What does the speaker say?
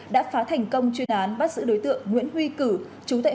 đã phá thành công chuyên án bắt giữ đối tượng nguyễn huy cử